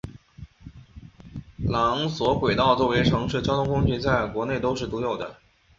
缆索轨道作为城市交通工具在国内都是独有的。